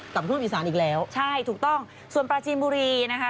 กับทูปอีสานอีกแล้วใช่ถูกต้องส่วนปราจีนบุรีนะคะ